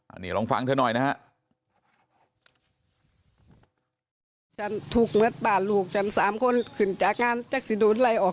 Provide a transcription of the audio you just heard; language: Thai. อันนี้ลองฟังเธอหน่อยนะฮะ